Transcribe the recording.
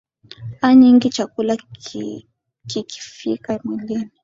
a nyingi chakula kikifika mwilini